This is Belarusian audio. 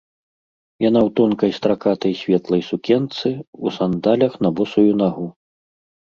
Яна ў тонкай стракатай светлай сукенцы, у сандалях на босую нагу.